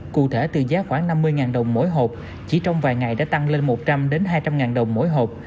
cụ thể từ giá khoảng năm mươi đồng mỗi hộp chỉ trong vài ngày đã tăng lên một trăm linh hai trăm linh ngàn đồng mỗi hộp